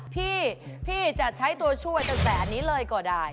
พี่พี่จะใช้ตัวช่วยตั้งแต่อันนี้เลยก็ได้